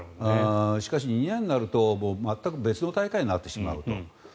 しかし、２年になると全く別の大会になってしまうと。